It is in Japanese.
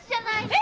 え？